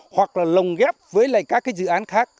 hoặc là lồng ghép với các dự án khác